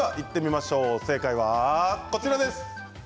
正解はこちらです。